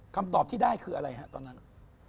คำตอบที่ได้คืออะไรครับ